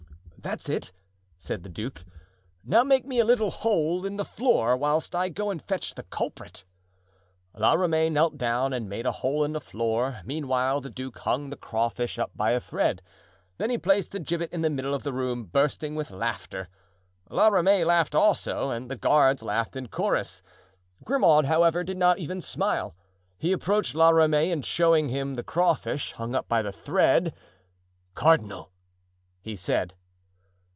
"That's it," said the duke, "now make me a little hole in the floor whilst I go and fetch the culprit." La Ramee knelt down and made a hole in the floor; meanwhile the duke hung the crawfish up by a thread. Then he placed the gibbet in the middle of the room, bursting with laughter. La Ramee laughed also and the guards laughed in chorus; Grimaud, however, did not even smile. He approached La Ramee and showing him the crawfish hung up by the thread: "Cardinal," he said.